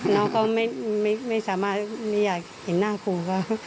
น้องเขาไม่อยากเห็นหน้าครู